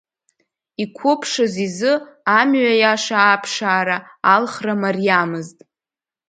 Иқәыԥшыз изы амҩа иаша аԥшаара, алхра мариамызт.